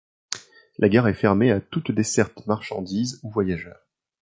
La gare est fermée à toute desserte marchandise ou voyageurs.